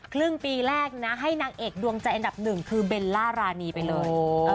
ครึ่งปีแรกนะให้นางเอกดวงใจอันดับหนึ่งคือเบลล่ารานีไปเลย